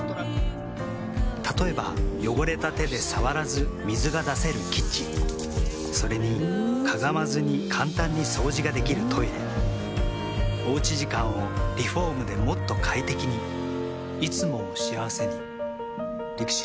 例えば汚れた手で触らず水が出せるキッチンそれにかがまずに簡単に掃除ができるトイレおうち時間をリフォームでもっと快適にいつもを幸せにＬＩＸＩＬ。